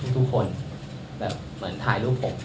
ทุกคนหมณถ่ายรูปผม